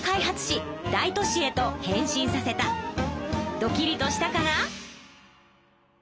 ドキリとしたかな？